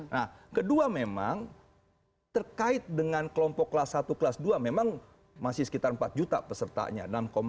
nah kedua memang terkait dengan kelompok kelas satu kelas dua memang masih sekitar empat juta pesertanya